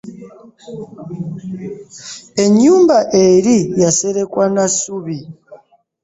Ennyumba eri yaserekwa na ssubi.